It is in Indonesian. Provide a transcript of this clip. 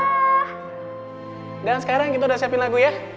udah sekarang kita udah siapin lagu ya